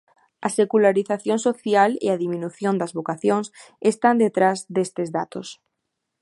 A secularización social e a diminución das vocacións están detrás destes datos.